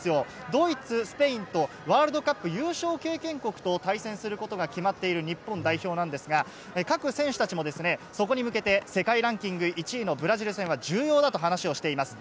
ドイツ、スペインとワールドカップ優勝経験国と対戦することが決まっている日本代表なんですが、各選手たちも、そこに向けて、世界ランキング１位のブラジル戦は重要だと話をしています。